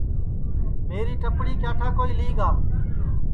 میری ٹپڑی کیا ٹھا کوئی لی گا